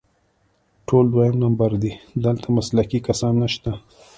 ټول دویم نمبر دي، دلته مسلکي کسان نشته